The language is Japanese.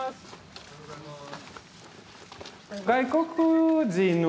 おはようございます。